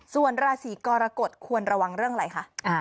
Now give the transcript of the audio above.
ส่วนราศีกรกฎควรระวังเรื่องอะไรคะ